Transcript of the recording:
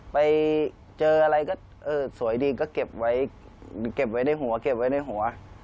ไปเจออะไรก็สวยดีก็เก็บไว้ในหัว